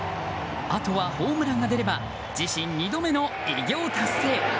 あとはホームランが出れば自身２度目の偉業達成。